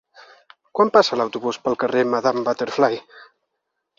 Quan passa l'autobús pel carrer Madame Butterfly?